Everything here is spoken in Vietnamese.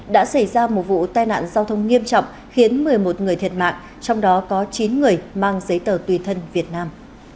đã xảy ra một vụ tai nạn giao thông nghiêm trọng khiến một mươi một người thiệt mạng trong đó có chín người mang giấy tờ tùy thân việt nam